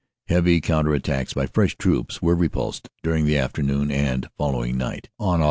Heavy counter attacks by fresh troops were repulsed during the afternoon and following night. "On Aug.